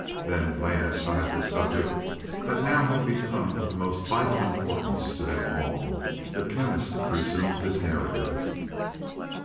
Then laying aside this subject, that now had become of the most vital importance to them all, the Chemist resumed his narrative.